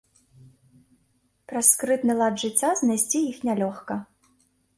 Праз скрытны лад жыцця знайсці іх нялёгка.